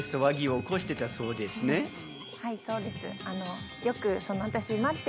はいそうです